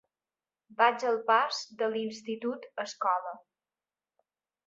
Vaig al pas de l'Institut Escola.